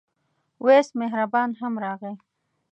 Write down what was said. وېس مهربان هم راغی.